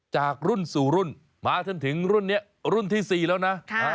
จากรุ่นสู่รุ่นมาจนถึงรุ่นนี้รุ่นที่๔แล้วนะ